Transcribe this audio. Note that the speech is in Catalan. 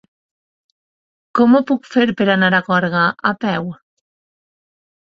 Com ho puc fer per anar a Gorga a peu?